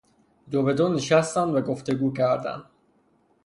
دوبدو نشستند و گفتگو کردند.